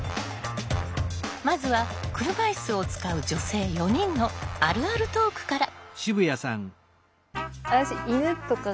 まずは車いすを使う女性４人の「あるあるトーク」から。